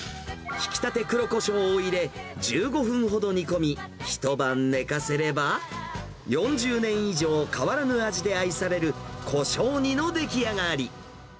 ひきたて黒こしょうを入れ、１５分ほど煮込み、一晩寝かせれば、４０年以上変わらぬ味で愛される、こしょう煮の出来上がり。